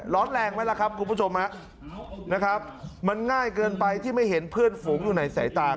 ร้อนแรงไหมล่ะครับคุณผู้ชมฮะนะครับมันง่ายเกินไปที่ไม่เห็นเพื่อนฝูงอยู่ในสายตา